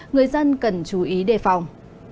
người dân cần chú ý đề phòng